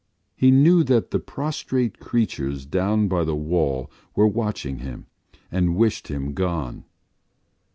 He knew that the prostrate creatures down by the wall were watching him and wished him gone.